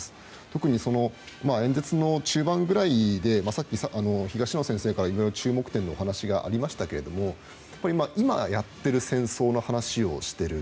特に、演説の中盤ぐらいで東野先生から注目点の話がありましたが今やっている戦争の話をしている。